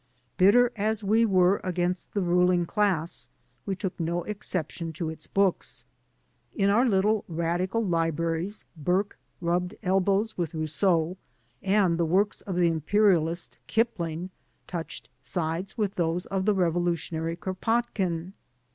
Bitter as we were against the ruling class, we took no exception to its books. In our little radical libraries Burke rubbed elbows with Rousseau and the works of the imperialist Kipling touched sides with those of the revolutionary Kropotkin.